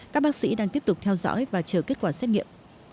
các bác sĩ đang tiếp tục theo dõi và chờ kết quả xét nghiệm